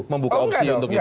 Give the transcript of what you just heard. membuka opsi untuk menutup